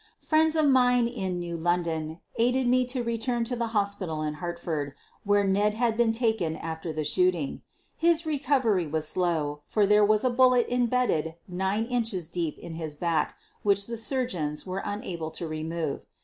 Friends of mine in New London aided me to re / turn to the hospital in Hartford, where Ned had been taken after the shooting. His recovery was slow, for there was a bullet imbedded nine inches deep in his back which the surgeons were unable to remove.